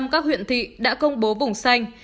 một trăm linh các huyện thị đã công bố vùng xanh